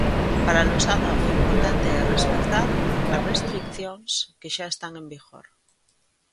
Para Losada, o importante é respectar as restricións que xa están en vigor.